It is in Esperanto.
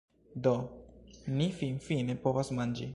Do, ni finfine povas manĝi